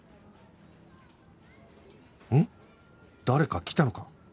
誰か来たのか？